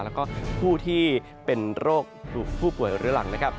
แล้วก็ผู้ที่เป็นโรคผู้ป่วยเรื้อหลังนะครับ